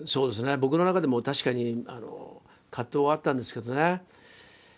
僕の中でも確かに葛藤はあったんですけどね。